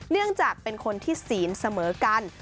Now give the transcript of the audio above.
เนื่องจากเป็นคนที่ศีลเสมอกัน